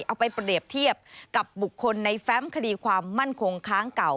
เอาไปเปรียบเทียบกับบุคคลในแฟมคดีความมั่นคงค้างเก่า